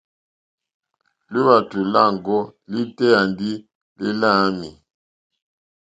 Lúwàtò lâŋɡɔ́ lítéyà ndí lí láǃámɛ̀.